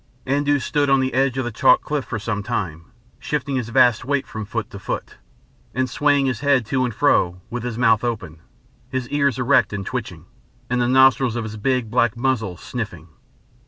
Andoo stood on the edge of the chalk cliff for some time, shifting his vast weight from foot to foot, and swaying his head to and fro, with his mouth open, his ears erect and twitching, and the nostrils of his big, black muzzle sniffing.